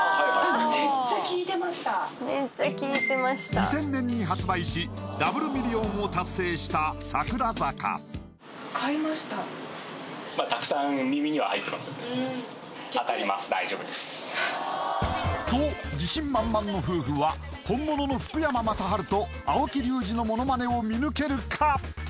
２０００年に発売しダブルミリオンを達成した「桜坂」と自信満々の夫婦は本物の福山雅治と青木隆治のモノマネを見抜けるか？